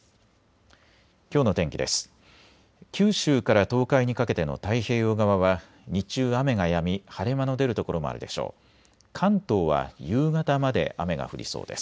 きょうの天気です。